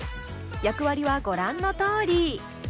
役割はご覧のとおり。